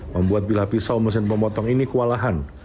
membuat bilah pisau mesin pemotong ini kewalahan